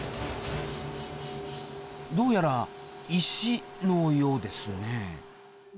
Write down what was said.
どうやら石のようですね。